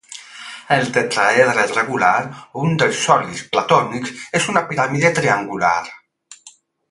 El tetraedre regular, un dels sòlids platònics, és una piràmide triangular.